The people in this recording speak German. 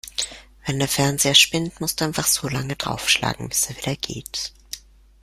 Wenn der Fernseher spinnt, musst du einfach so lange draufschlagen, bis er wieder geht.